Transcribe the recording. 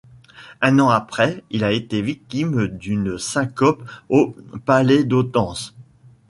Un an après, il a été victime d'une syncope au Palais d'Odense.